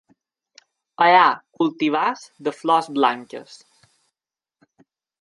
Hi ha cultivars de flors blanques.